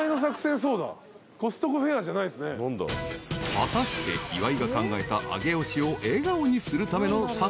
［果たして岩井が考えた上尾市を笑顔にするための作戦とは］